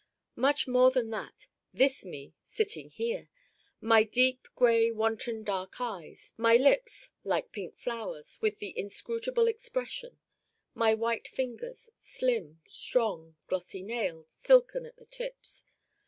much more than that, this Me sitting here! my deep gray wanton dark eyes: my lips like pink flowers with the inscrutable expression: my white fingers slim, strong, glossy nailed, silken at the tips.